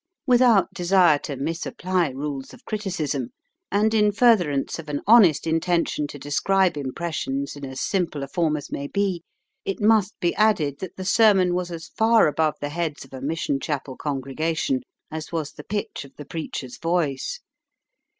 Without desire to misapply rules of criticism, and in furtherance of an honest intention to describe impressions in as simple a form as may be, it must be added that the sermon was as far above the heads of a mission chapel congregation as was the pitch of the preacher's voice.